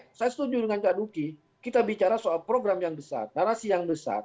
saya setuju dengan kak duki kita bicara soal program yang besar narasi yang besar